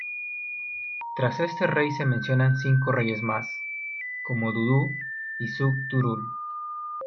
Tras este rey se mencionan cinco reyes más, como Dudu y Šu-Turul.